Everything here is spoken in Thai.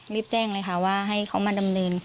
รีบแจ้งเลยค่ะว่าให้เขามาดำเนิน